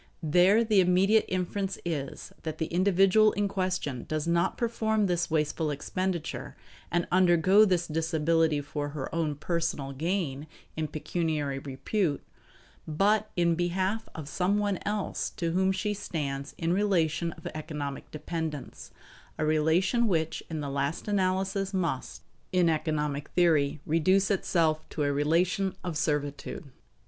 There the immediate inference is that the individual in question does not perform this wasteful expenditure and undergo this disability for her own personal gain in pecuniary repute, but in behalf of some one else to whom she stands in a relation of economic dependence; a relation which in the last analysis must, in economic theory, reduce itself to a relation of servitude.